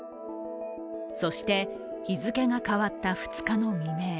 そして、日付が変わった２日の未明。